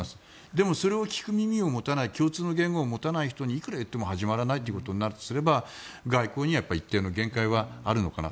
でもそれを聞く耳を持たない共通の言語を持たない人にいくら言っても始まらないとなれば外交にも一定の限界はあるのかな。